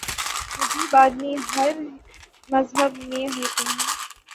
نجیب آدمی ہر مذہب میں ہوتے ہیں۔